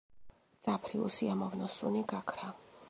მძაფრი უსიამოვნო სუნი გაქრა.